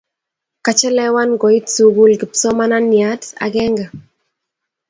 Kachelewan koit sukul kipsomaniat akenge